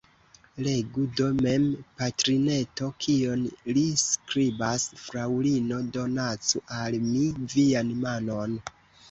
Legu do mem, patrineto, kion li skribas: « Fraŭlino, donacu al mi vian manon!